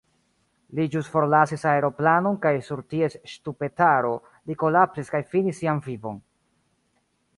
Li ĵus forlasis aeroplanon kaj sur ties ŝtupetaro li kolapsis kaj finis sian vivon.